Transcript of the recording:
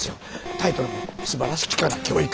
タイトルも「素晴らしきかな、教育」。